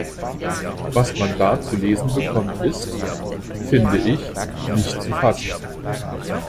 Was man da zu lesen bekommt, ist – finde ich – nicht zu fassen.